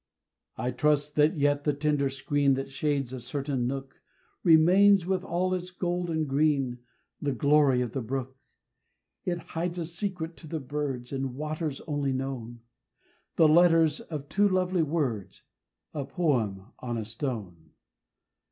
I trust that yet the tender screen That shades a certain nook, Remains, with all its gold and green, The glory of the brook. It hides a secret to the birds And waters only known: The letters of two lovely words A poem on a stone.